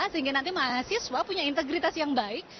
sehingga nanti mahasiswa punya integritas yang baik